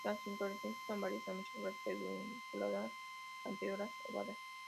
Las inflorescencias con varias a muchas flores, pedunculadas; bracteolas ovadas.